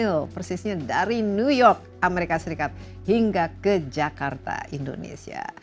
fasham fadlil penulis film terkenal di new york amerika serikat hingga ke jakarta indonesia